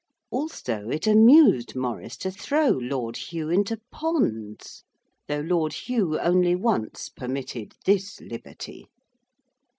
Also it amused Maurice to throw Lord Hugh into ponds, though Lord Hugh only once permitted this liberty.